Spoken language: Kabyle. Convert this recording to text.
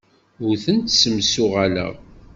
Ur tent-ssemsuɣaleɣ.